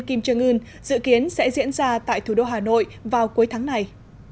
kim jong un dự kiến sẽ diễn ra tại thủ đô hà nội vào cuối tháng này